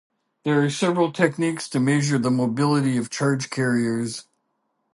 There are several techniques to measure the mobility of charge carriers.